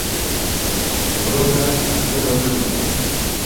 Horora afero, ĉu ne?